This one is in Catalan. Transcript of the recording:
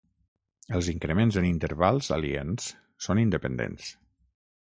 Els increments en intervals aliens són independents.